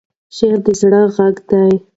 شعر د زړه غږ دی.